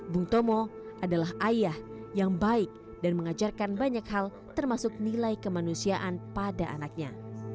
bung tomo adalah ayah yang baik dan mengajarkan banyak hal termasuk nilai kemanusiaan pada anaknya